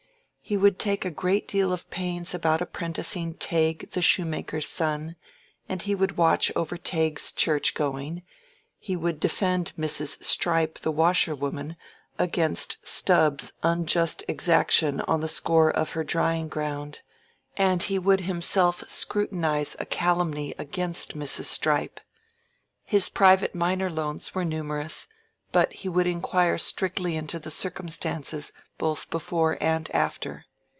He would take a great deal of pains about apprenticing Tegg the shoemaker's son, and he would watch over Tegg's church going; he would defend Mrs. Strype the washerwoman against Stubbs's unjust exaction on the score of her drying ground, and he would himself scrutinize a calumny against Mrs. Strype. His private minor loans were numerous, but he would inquire strictly into the circumstances both before and after.